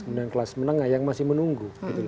kemudian kelas menengah yang masih menunggu